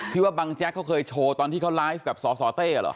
ว่าบังแจ๊กเขาเคยโชว์ตอนที่เขาไลฟ์กับสสเต้เหรอ